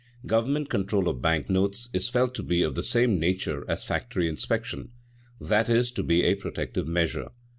Government control of bank notes is felt to be of the same nature as factory inspection, that is, to be a protective measure.